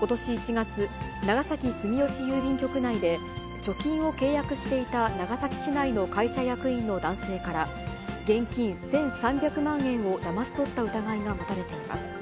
ことし１月、長崎住吉郵便局内で、貯金を契約していた長崎市内の会社役員の男性から、現金１３００万円をだまし取った疑いが持たれています。